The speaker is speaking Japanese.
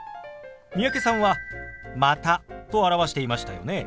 三宅さんは「また」と表していましたよね。